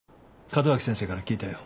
門脇先生から聞いたよ。